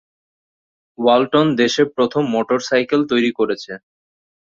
ওয়ালটন দেশের প্রথম মোটরসাইকেল তৈরি করেছে।